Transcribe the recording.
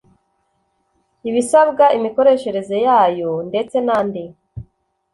ibisabwa imikoreshereze yayo ndetse n andi